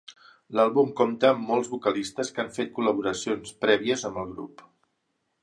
L'àlbum compta amb molts vocalistes que han fet col·laboracions prèvies amb el grup.